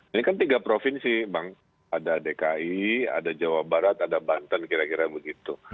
ini kan tiga provinsi bang ada dki ada jawa barat ada banten kira kira begitu